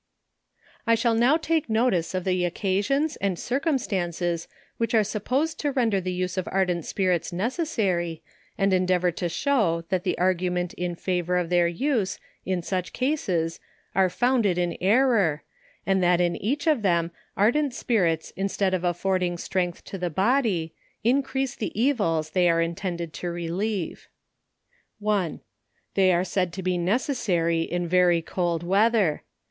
I shall now take notice of the occasions and circum stances which are supposed to lender the use of ardent spirits necessary, and endeavour to shew that the argu ments in favour of their use in such cases are founded in error, and that in each of them, ardent spirits instead of AKDENT SPIRITS. 9 affording strength to the body, increase the evils they are intended to relieve. 1. They arc said to he necessary in very cold weather.